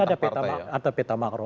makanya ada peta makro